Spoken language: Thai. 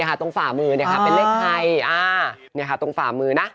เนี่ยค่ะตรงฝ่ามือเนี่ยค่ะเป็นเลขใครอ่าเนี่ยค่ะตรงฝ่ามือนะ